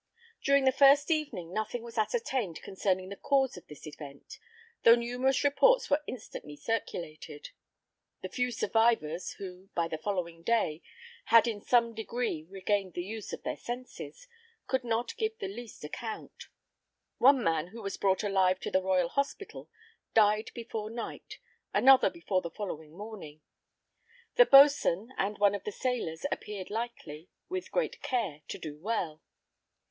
During the first evening nothing was ascertained concerning the cause of this event, though numerous reports were instantly circulated. The few survivors, who, by the following day, had, in some degree regained the use of their senses, could not give the least account. One man who was brought alive to the Royal Hospital, died before night, another before the following morning; the boatswain and one of the sailors appeared likely, with great care, to do well.